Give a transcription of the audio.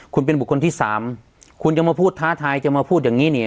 คุณเป็นบุคคลที่สามคุณจะมาพูดท้าทายจะมาพูดอย่างนี้เนี่ย